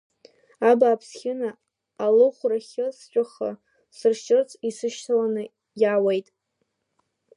Абааԥс, Хьына, алыӷәрахьы сҵәахы, сыршьырц исышьҭаланы иаауеит!